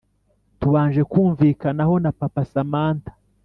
tubanje kumvikanaho na papa samantha